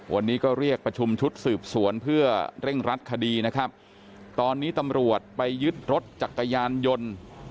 วันนี้ก็เรียกประชุมชุดสืบสวนเพื่อเร่งรัดคดีนะครับตอนนี้ตำรวจไปยึดรถจักรยานยนต์